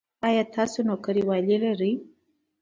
ایا تاسو نوکریوالي لرئ؟